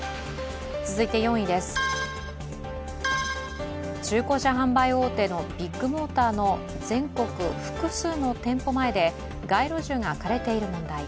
続いて４位です、中古車販売大手のビッグモーターの全国複数の店舗前で街路樹が枯れている問題。